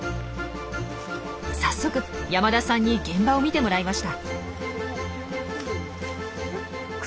早速山田さんに現場を見てもらいました。